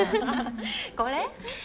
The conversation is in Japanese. これ？